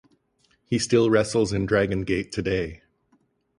He still wrestles in Dragon Gate today.